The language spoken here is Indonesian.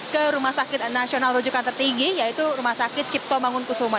ke rumah sakit nasional rujukan tertinggi yaitu rumah sakit cipto mangunkusuma